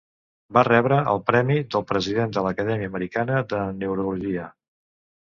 Va rebre el Premi del president de l'Acadèmia Americana de Neurologia.